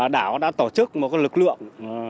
đảo đã tổ chức một lực lượng